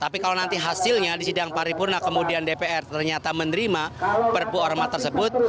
tapi kalau nanti hasilnya di sidang paripurna kemudian dpr ternyata menerima perpu ormas tersebut